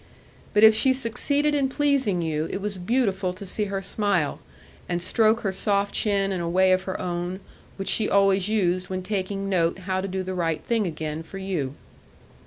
But if she succeeded in pleasing you, it was beautiful to see her smile, and stroke her soft chin in a way of her own, which she always used when taking note how to do the right thing again for you.